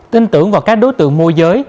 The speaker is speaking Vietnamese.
tin tưởng vào các đối tượng môi giới